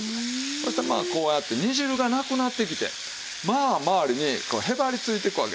そしてまあこうやって煮汁がなくなってきてまあ周りにこうへばりついてくわけですね。